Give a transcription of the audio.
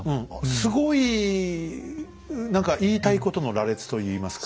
すごい何か言いたいことの羅列といいますか。